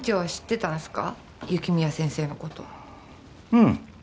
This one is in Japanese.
うん。